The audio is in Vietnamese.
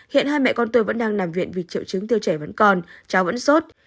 hiện hai mẹ con tôi vẫn đang nằm viện vì triệu chứng tiêu chảy vẫn còn cháu vẫn sốt